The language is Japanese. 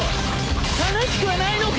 悲しくはないのか！